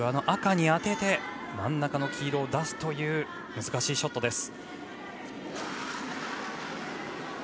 赤に当てて真ん中の黄色を出すという難しいショットです。